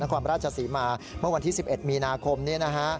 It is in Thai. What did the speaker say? นักความราชสีมาเมื่อวันที่สิบเอ็ดมีนาคมเนี้ยนะฮะ